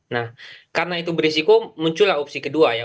nah karena itu berisiko muncullah opsi kedua ya